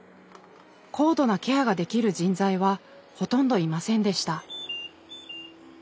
高度なケアができる人材はほとんどいませんでした。